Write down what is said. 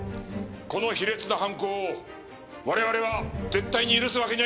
この卑劣な犯行を我々は絶対に許すわけにはいかない！